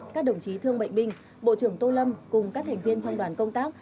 các đồng chí thương bệnh binh bộ trưởng tô lâm cùng các thành viên trong đoàn công tác